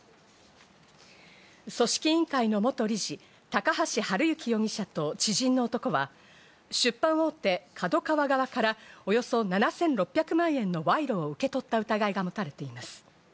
組織委員会の元理事・高橋治之容疑者と知人の男は出版大手・ＫＡＤＯＫＡＷＡ側からおよそ７６００万円の賄賂を受け取った疑いが持たれています。